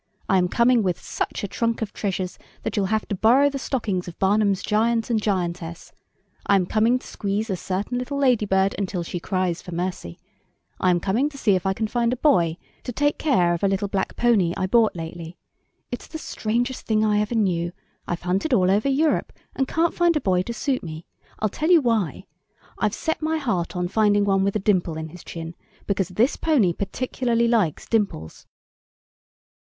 I am coming with such a trunk full of treasures that you'll have to borrow the stockings of Barnum's Giant and Giantess; I am coming to squeeze a certain little lady bird until she cries for mercy; I am coming to see if I can find a boy to take care of a little black pony I bought lately. It's the strangest thing I ever knew; I've hunted all over Europe, and can't find a boy to suit me! I'll tell you why. I've set my heart on finding one with a dimple in his chin, because this pony particularly likes dimples!